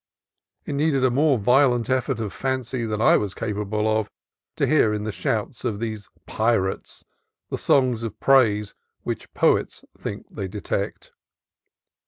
It needed a more violent effort of fancy than I was capable of to hear in the shouts of these pi rates the song of praise which poets think they de tect.